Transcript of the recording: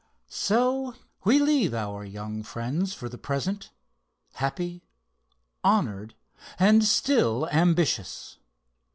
So we leave our young friends for the present, happy, honored and still ambitious.